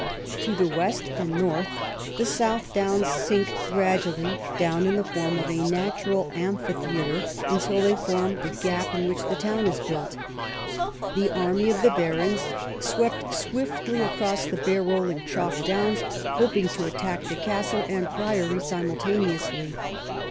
To the west and north the South Downs sink gradually down in the form of a natural amphitheatre until they form the gap in which the town is built. The army of the barons swept swiftly across the bare rolling chalk downs, hoping to attack the castle and priory simultaneously.